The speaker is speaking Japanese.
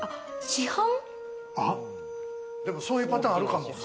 でもそういうパターンあるかも。